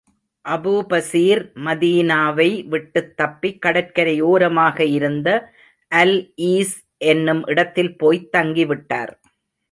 அபூபஸீர் மதீனாவை விட்டுத் தப்பி, கடற்கரை ஓரமாக இருந்த அல் ஈஸ் என்னும் இடத்தில் போய்த் தங்கிவிட்டார்.